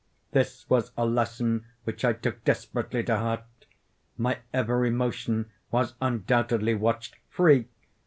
This was a lesson which I took desperately to heart. My every motion was undoubtedly watched. Free!